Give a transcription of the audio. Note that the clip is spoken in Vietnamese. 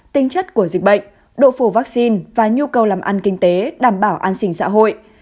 tinh chất của dịch bệnh độ phủ vaccine và nhu cầu làm ăn kinh tế đảm bảo an sinh xã hội